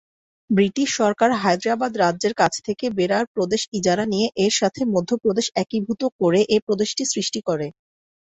British সরকার হায়দ্রাবাদ রাজ্যের কাছ থেকে বেরার প্রদেশ ইজারা নিয়ে এর সাথে মধ্য প্রদেশ একীভূত করে এ প্রদেশটি সৃষ্টি করে।